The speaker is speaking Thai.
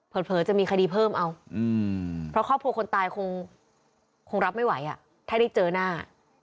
เผลอจะมีคดีเพิ่มเอาเพราะครอบครัวคนตายคงรับไม่ไหวถ้าได้เจอหน้า